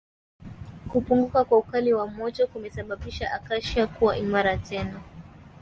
Kupunguka kwa ukali wa moto kumesababisha Acacia kuwa imara tena